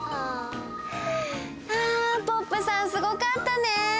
あポップさんすごかったね！